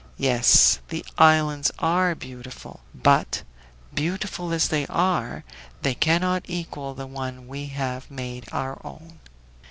Yes, the islands are beautiful, but, beautiful as they are, they cannot equal the one we have made our own!"